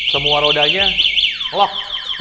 semua rodanya lock